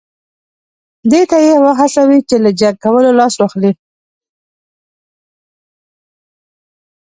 دې ته یې وهڅوي چې له جنګ کولو لاس واخلي.